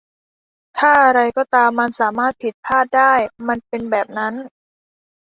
ถ้าอะไรก็ตามมันสามารถผิดพลาดได้ มันเป็นแบบนั้น